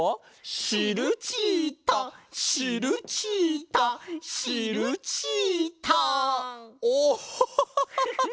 「シルチータシルチータシルチータ」オッホッホッホッホッホッ！